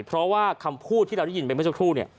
เพราะว่าคำพูดที่เรารู้ยินไปไม่สุดทุกเนี่ย